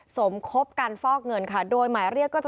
สมคบการฟอกเงินค่ะโดยหมายเรียกก็จะ